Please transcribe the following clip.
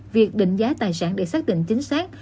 việc định giá tài sản để xác định chính xác